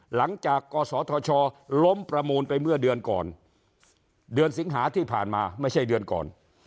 หลังจากกศธชล้มประมูลไปเมื่อเดือนก่อนเดือนสิงหาที่ผ่านมาไม่ใช่เดือนก่อน